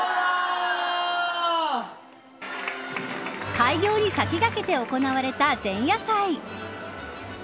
開業に先駆けて行われた前夜祭。